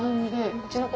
うちの子